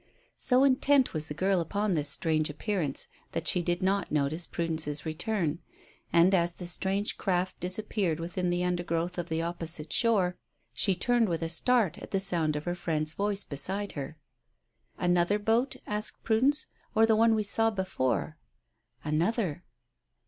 So intent was the girl upon this strange appearance that she did not notice Prudence's return, and as the strange craft disappeared within the undergrowth of the opposite shore, she turned with a start at the sound of her friend's voice beside her. "Another boat," asked Prudence, "or the one we saw before?" "Another."